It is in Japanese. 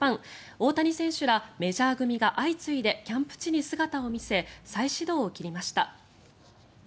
大谷選手らメジャー組が相次いでキャンプ地に姿を見せ再始動を切りました。